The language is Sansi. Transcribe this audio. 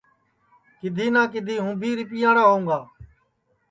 کِدھی نہ کِدھی ہوں بھی رِپیاڑا ہوںگا